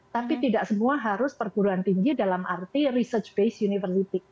tapi tidak semua harus perguruan tinggi dalam arti research based university